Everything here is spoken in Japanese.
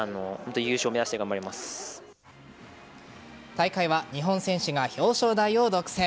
大会は日本選手が表彰台を独占。